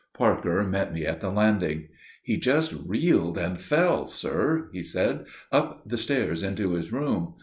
Parker met me on the landing. "He just reeled and fell, sir," he said, "up the stairs into his room.